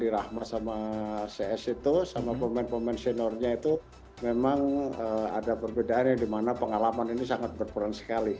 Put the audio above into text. rahma sama cs itu sama pemain pemain seniornya itu memang ada perbedaan yang dimana pengalaman ini sangat berperan sekali